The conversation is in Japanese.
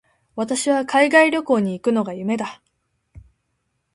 私は海外旅行に行くのが夢だ。